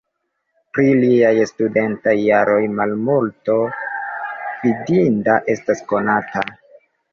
Pri liaj studentaj jaroj malmulto fidinda estas konata.